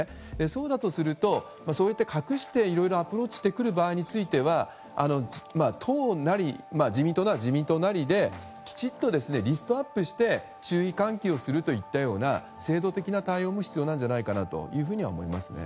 そうだとするとそういって隠していろいろアプローチをしてくる場合については党なり自民党なら自民党なりできちっとリストアップして注意喚起をするといった制度的な対応も必要なんじゃないかなと思いますね。